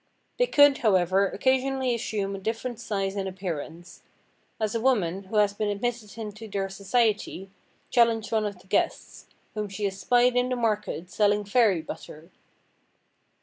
They could, however, occasionally assume a different size and appearance; as a woman, who had been admitted into their society, challenged one of the guests, whom she espied in the market, selling fairy–butter.